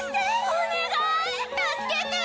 お願い。